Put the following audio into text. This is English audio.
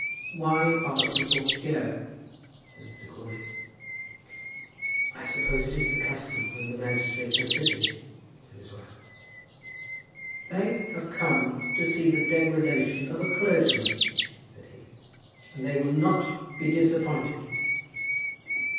"Why are the people here?" said Mr. Crawley. "I suppose it is the custom when the magistrates are sitting," said his wife. "They have come to see the degradation of a clergyman," said he; "and they will not be disappointed."